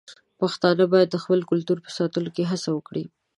پښتانه بايد د خپل کلتور په ساتلو کې هڅه وکړي.